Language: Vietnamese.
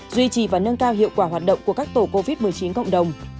duy trì và nâng cao hiệu quả hoạt động của các tổ covid một mươi chín cộng đồng